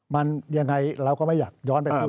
มันยังไงเราก็ไม่อยากย้อนไปพูด